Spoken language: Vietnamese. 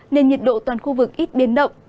nên nhiệt độ toàn khu vực ít biến động